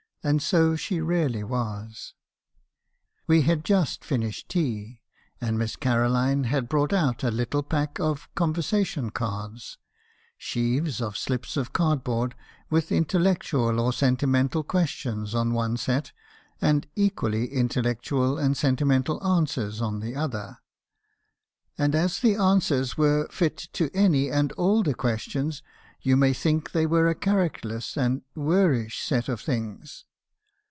And so she really was. "We had just finished tea, and Miss Caroline had brought out a little pack of conversation cards — sheaves of slips of card board, with intellectual or sentimental questions on one set, and equally intellectual and sentimental answers on the other; and as the answers were fit to any and all the questions, you may think they were a characterless and 'wersh' set of things.